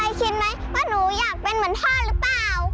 พ่อเคยคิดไหมว่าหนูอยากเป็นเหมือนพ่อหรือเปล่า